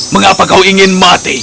mengapa kau ingin mati